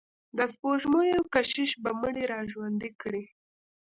د سپوږمیو کشش به مړي را ژوندي کړي.